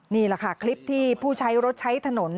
นี่แหละค่ะคลิปที่ผู้ใช้รถใช้ถนน